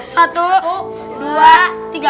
satu dua tiga